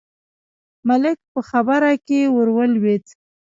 ملک په خبره کې ور ولوېد: